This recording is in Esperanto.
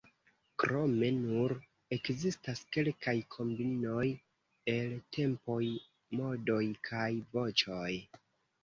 Krome nur ekzistas kelkaj kombinoj el tempoj, modoj kaj voĉoj.